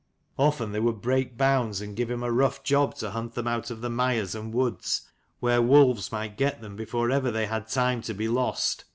Often they would break bounds, and give him a rough job to hunt them out of the mires and woods, where wolves might get them before ever they had time to be lost.